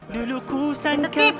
dulu ku sangka